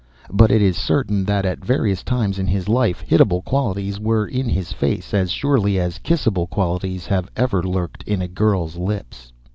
But it is certain that at various times in his life hitable qualities were in his face, as surely as kissable qualities have ever lurked in a girl's lips.